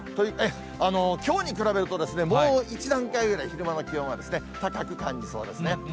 きょうに比べると、もう１段階ぐらい昼間の気温は高く感じそうですね。